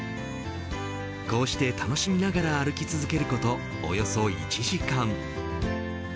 こうして楽しみながら歩き続けることおよそ１時間。